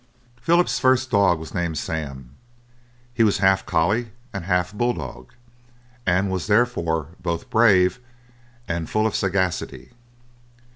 Philip's first dog was named Sam. He was half collie and half bull dog, and was therefore both brave and full of sagacity.